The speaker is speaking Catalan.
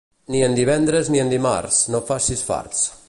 Ni en divendres ni en dimarts no facis farts.